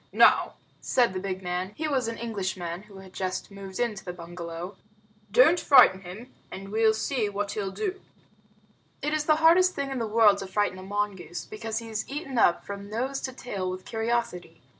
"Now," said the big man (he was an Englishman who had just moved into the bungalow), "don't frighten him, and we'll see what he'll do." It is the hardest thing in the world to frighten a mongoose, because he is eaten up from nose to tail with curiosity.